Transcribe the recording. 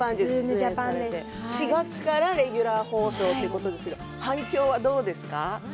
４月からレギュラー放送スタートしましたが反響はどうですか？